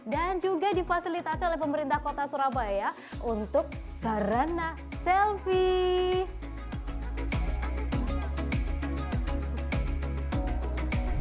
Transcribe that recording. dan juga difasilitasi oleh pemerintah kota surabaya untuk sarana selfie